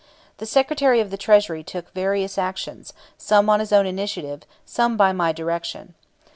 The Secretary of the Treasury took various actions, some on his own initiative, some by my direction.